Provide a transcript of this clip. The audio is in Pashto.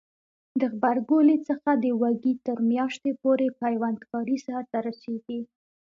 د غبرګولي څخه د وږي تر میاشتې پورې پیوند کاری سرته رسیږي.